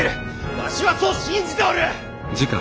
わしはそう信じておる！